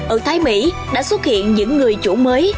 ở thái mỹ đã xuất hiện những người chủ mới